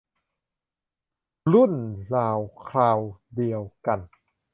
รุ่นราวคราวเดียวกัน